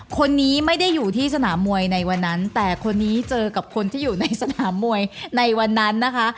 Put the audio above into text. คนนี้ไม่ได้อยู่ที่สนามมวยในวันนั้นแต่คนนี้เจอกับคนที่อยู่ในสนามมวยในวันนั้นนะคะ